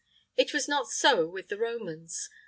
It was not so with the Romans.